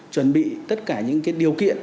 chuẩn bị tất cả những cái điều kiện